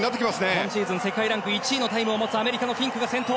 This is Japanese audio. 今シーズン世界ランク１位のタイムを持つアメリカのフィンクが先頭。